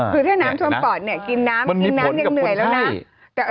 คือถ้าน้ำท่วมปอดกินน้ำยังเหนื่อยแล้วนะ